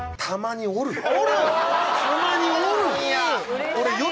たまにおる！